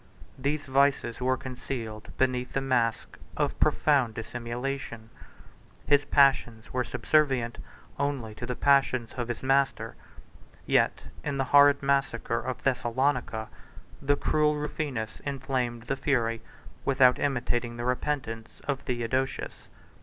These vices were concealed beneath the mask of profound dissimulation; 4 his passions were subservient only to the passions of his master; yet in the horrid massacre of Thessalonica, the cruel Rufinus inflamed the fury, without imitating the repentance, of Theodosius.